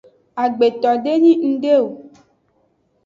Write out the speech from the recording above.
Agbeto de nyi ngde o.